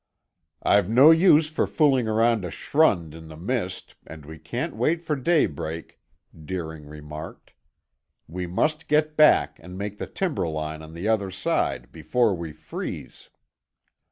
"I've no use for fooling around a schrund in the mist and we can't wait for daybreak," Deering remarked. "We must get back and make the timber line on the other side before we freeze."